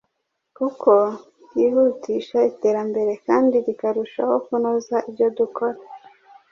kuko ryihutisha iterambere kandi rikarushaho kunoza ibyo dukora.